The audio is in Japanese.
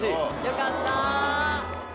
よかった